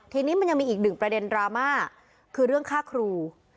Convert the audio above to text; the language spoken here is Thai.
ทีนี้มันยังมีอีกหนึ่งประเด็นดราม่าคือเรื่องฆ่าครู